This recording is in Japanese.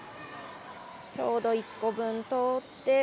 ちょうど１個分、通って。